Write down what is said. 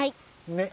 ねっ。